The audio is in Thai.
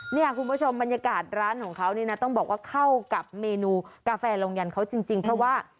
เนี่ยคุณผู้ชมบรรยากาศร้านของเขาเนี่ยนะต้องบอกว่าเข้ากับเมนูกาแฟลงยันเขาจริงเพราะว่า